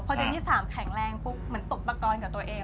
พอเดือนที่๓แข็งแรงมันตกตะกอนกับตัวเอง